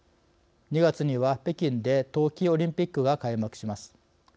２月には、北京で冬季オリンピックが開幕します。